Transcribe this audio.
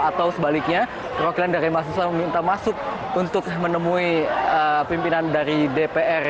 atau sebaliknya perwakilan dari mahasiswa meminta masuk untuk menemui pimpinan dari dpr